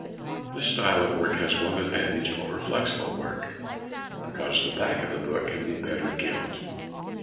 This style of work has one advantage over flexible work, because the back of the book can be better gilt.